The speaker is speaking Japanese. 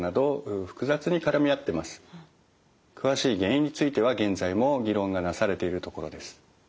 詳しい原因については現在も議論がなされているところです。